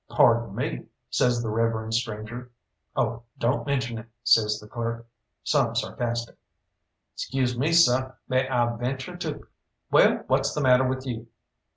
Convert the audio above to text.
"Pardon me," says the reverend stranger. "Oh, don't mention it," says the clerk, some sarcastic. "'Scuse me, seh, may I venture to " "Well, what's the matter with you?"